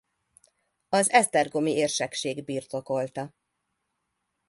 Az esztergomi érsekség birtokolta.